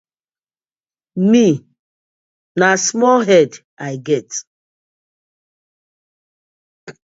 Mi na small head I get.